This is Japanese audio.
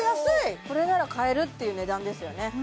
これなら買えるっていう値段ですよね